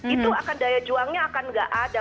itu akan daya juangnya akan nggak ada